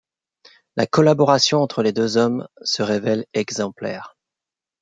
La collaboration entre les deux hommes se révèle exemplaire.